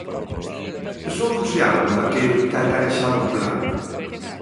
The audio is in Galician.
¿Sóubose algo daquel cacarexado plan?